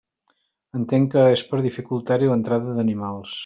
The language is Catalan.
Entenc que és per dificultar-hi l'entrada d'animals.